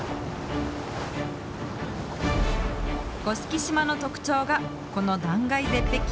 甑島の特徴が、この断崖絶壁。